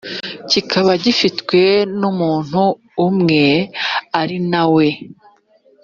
kikaba gifitwe n umuntu umwe ari na we